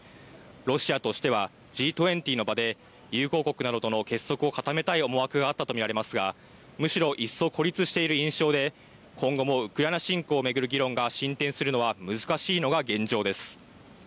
ロシアとしては、Ｇ２０の場で友好国などとの結束を固めたい思惑があったと見られますがむしろ一層、孤立している印象で今後もウクライナ侵攻を巡る議論が進展するのは難しいのが現状です。